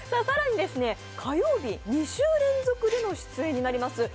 更に、火曜日２週連続での出演となります